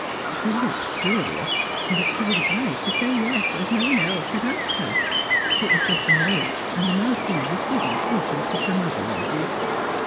She looked furious, but she was obliged to say yes, as no one else had asked her; it was getting late, and the Marquis was busy speaking to some other ladies.